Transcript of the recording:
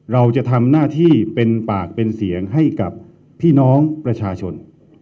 เราจะทำหน้าที่เป็นปากเป็นเสียงให้กับพี่น้องประชาชน